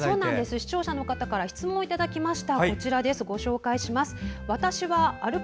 視聴者の方からも質問をいただきました。